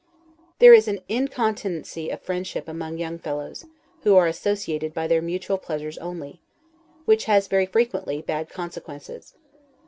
There is an incontinency of friendship among young fellows, who are associated by their mutual pleasures only, which has, very frequently, bad consequences.